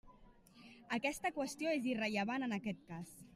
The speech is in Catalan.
Aquesta qüestió és irrellevant en aquest cas.